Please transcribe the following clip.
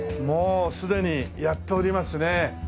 もうすでにやっておりますね。